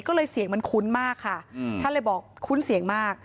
ก็เลยเสียงมันคุ้นมากค่ะท่านเลยบอกคุ้นเสียงมาก